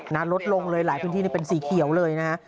ลดลงเลยหลายพื้นที่เป็นสีเขียวเลยนะฮะ